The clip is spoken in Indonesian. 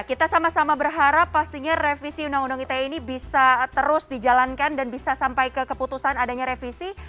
kita sama sama berharap pastinya revisi undang undang ite ini bisa terus dijalankan dan bisa sampai ke keputusan adanya revisi